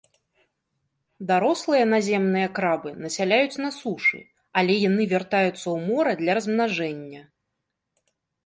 Дарослыя наземныя крабы насяляюць на сушы, але яны вяртаюцца ў мора для размнажэння.